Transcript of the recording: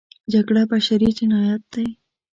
جګړه بشري جنایت دی.